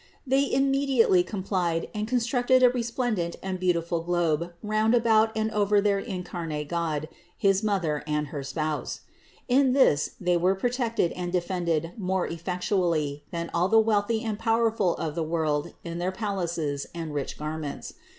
They immediately com plied and constructed a resplendent and beautiful globe round about and over their incarnate God, his Mother and her spouse. In this they were protected and de fended more effectually than all the wealthy and power ful of the world in their palaces and rich garments.